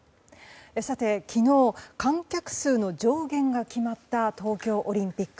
昨日、観客数の上限が決まった東京オリンピック。